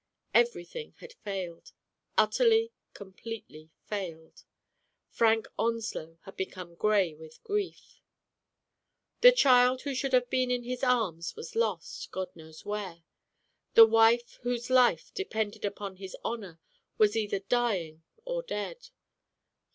Everything had failed ; utterly, completely failed. Frank Onslow had become gray with grief. The child who should have been in his arms was lost, God knows where. The wife whose life depended upon his honor was either dying or dead.